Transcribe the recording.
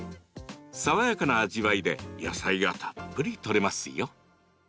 爽やかな味わいで野菜がたっぷりとれますよ。